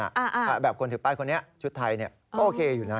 แต่แบบคนถือป้ายคนนี้ชุดไทยก็โอเคอยู่นะ